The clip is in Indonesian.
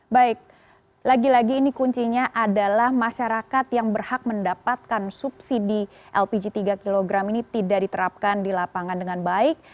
baik lagi lagi ini kuncinya adalah masyarakat yang berhak mendapatkan subsidi lpg tiga kg ini tidak diterapkan di lapangan dengan baik